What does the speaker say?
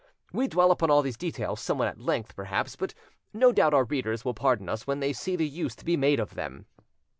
We dwell upon all these details somewhat at length, perhaps, but no doubt our readers will pardon us when they see the use to be made of them.